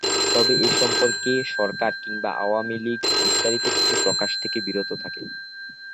তবে এ সম্পর্কে সরকার কিংবা আওয়ামী লীগ বিস্তারিত কিছু প্রকাশ থেকে বিরত থাকে।